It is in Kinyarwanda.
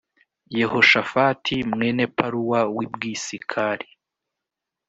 Yehoshafati mwene Paruwa w’i Bwisikari